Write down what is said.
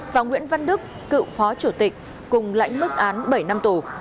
và nguyễn văn đức cựu phó chủ tịch cùng lãnh mức án bảy năm tù